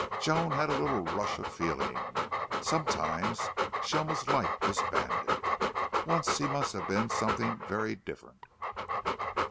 Joan had a little rush of feeling. Sometimes she almost liked this bandit. Once he must have been something very different.